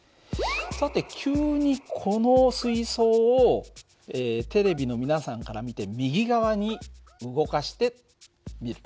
さて急にこの水そうをテレビの皆さんから見て右側に動かしてみる。